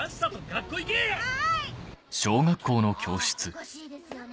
おかしいですよね。